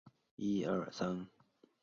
阿班旦杜很早就加入了杀人有限公司。